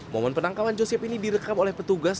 momen penangkapan joseph ini direkam oleh petugas